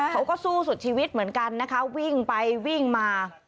เขาก็สู้สุดชีวิตเหมือนกันนะคะวิ่งไปวิ่งมา